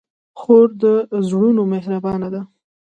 خور د زړونو مهربانه ده.